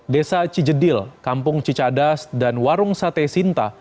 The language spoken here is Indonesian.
desa cijedil kampung cicadas dan warung sate sinta